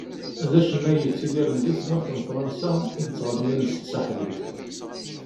D acennay yettidiren di tmurt n Fransa i yettɣenin s tsaḥlit.